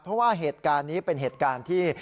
เพราะว่าเหตุการณ์นี้เป็นเหตุการณ์ที่